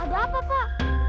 ada apa pak